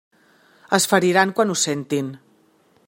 Es feriran quan ho sentin.